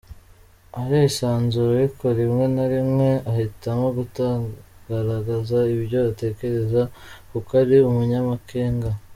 Arisanzura ariko rimwe na rimwe ahitamo kutagaragaza ibyo atekereza kuko ari umunyamakenga.